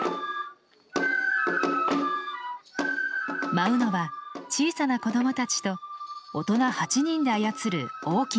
舞うのは小さな子供たちと大人８人で操る大きな獅子です。